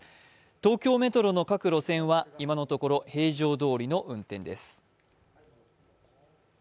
東京メトロの各路線は今のところ平常どおりの運転です。